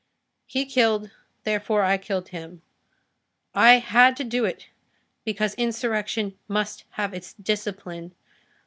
He killed, therefore I killed him. I had to do it, because insurrection must have its discipline.